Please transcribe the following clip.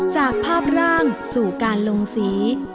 จากภาพร่างสู่การลงสี